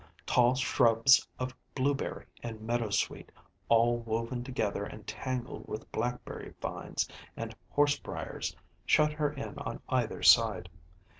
Tall shrubs of blueberry and meadow sweet, all woven together and tangled with blackberry vines and horsebriers, shut her in on either side.